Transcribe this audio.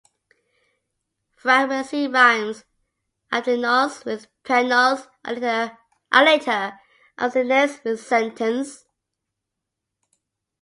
Fragment C rhymes "abstinaunce" with "penaunce" and later "abstinence" with "sentence".